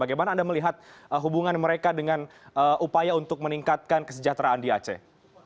bagaimana anda melihat hubungan mereka dengan upaya untuk meningkatkan kesejahteraan di aceh